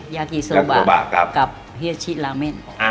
ยากิโซบะกับเฮชิลาเม่น